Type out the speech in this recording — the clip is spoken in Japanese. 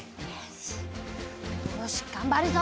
よしがんばるぞ！